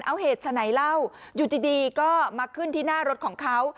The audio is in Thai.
เอาเหตุฉะไหนเล่าอยู่ดีก็มาขึ้นที่หน้ารถของเขา